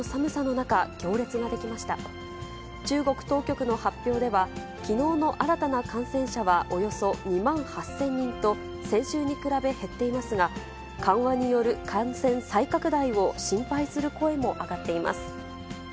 中国当局の発表では、きのうの新たな感染者はおよそ２万８０００人と、先週に比べ減っていますが、緩和による感染再拡大を心配する声も上がっています。